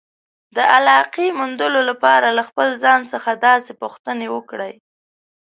د علاقې موندلو لپاره له خپل ځان څخه داسې پوښتنې وکړئ.